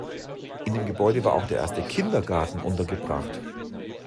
In dem Gebäude war auch der erste Kindergarten untergebracht.